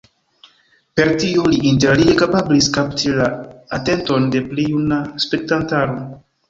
Per tio li interalie kapablis kapti la atenton de pli juna spektantaro.